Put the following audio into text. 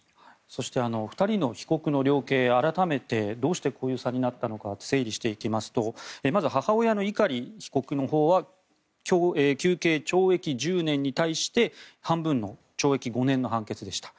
そして２人の被告の量刑改めて、どうしてこういう差になったのか整理していきますとまず母親の碇被告のほうは求刑、懲役１０年に対して半分の懲役５年の判決でした。